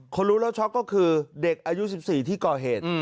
รู้แล้วช็อกก็คือเด็กอายุ๑๔ที่ก่อเหตุ